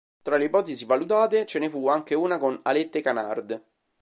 Tra le ipotesi valutate, ce ne fu anche una con alette canard.